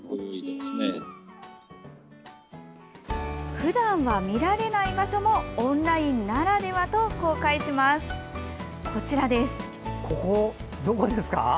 ふだんは見られない場所もオンラインならではとここどこですか。